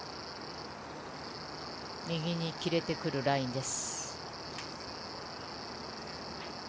右に切れてくるラインです。